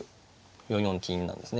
４四金なんですね。